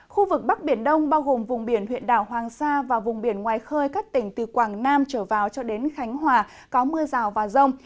khu vực bắc biển đông bao gồm vùng biển huyện đảo hoàng sa và vùng biển ngoài khơi các tỉnh từ quảng nam trở vào cho đến khánh hòa có mưa rào và rông